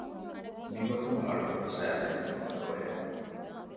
މިގޮތުން އަޅުގަނޑު ސައިދޭންޖެހުނު ދުވަހެއް